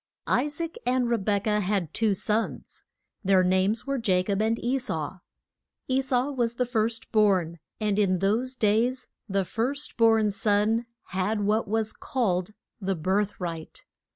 I SAAC and Re bek ah had two sons. Their names were Ja cob and E sau. E sau was the first born, and in those days the first born son had what was called the birth right.